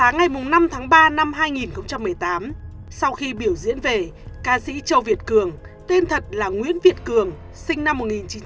năm hai nghìn một mươi tám sau khi biểu diễn về ca sĩ châu việt cường tên thật là nguyễn việt cường sinh năm một nghìn chín trăm tám mươi bốn